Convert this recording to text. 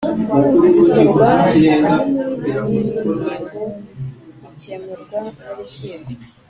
Bikorwa ry’iyi ngingo zikemurwa n’Urukiko